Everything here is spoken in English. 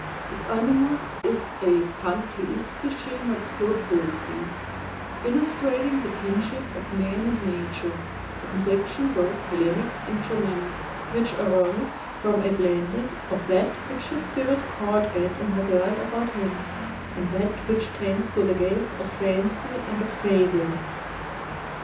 Its animus is a pantheistische Naturpoesie, illustrating the kinship of man and nature, a conception both Hellenic and Germanic, which arose from a blending of that which his spirit caught at in the world about him and that which came through the gates of fancy and of fable...."